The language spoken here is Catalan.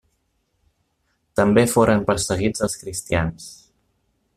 També foren perseguits els cristians.